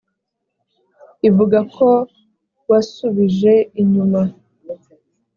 lvuga ko wa subij e inyuma